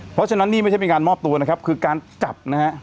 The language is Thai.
เพราะฉะนั้นนี่ไม่ใช่เป็นการมอบตัวนะครับคือการจับนะฮะ